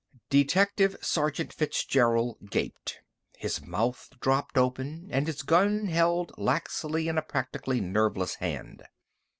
Detective Sergeant Fitzgerald gaped, his mouth dropped open and his gun held laxly in a practically nerveless hand.